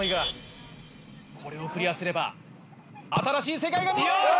これをクリアすれば新しい世界が見える。